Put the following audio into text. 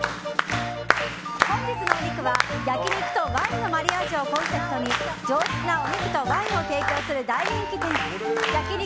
本日のお肉は、焼き肉とワインのマリアージュをコンセプトに上質なお肉とワインを提供する大人気店焼肉